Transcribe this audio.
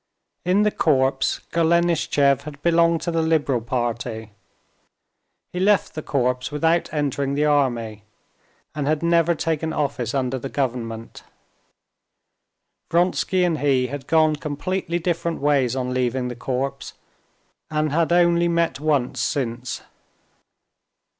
In the corps Golenishtchev had belonged to the liberal party; he left the corps without entering the army, and had never taken office under the government. Vronsky and he had gone completely different ways on leaving the corps, and had only met once since.